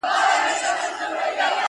تر کله به ژړېږو ستا خندا ته ستا انځور ته.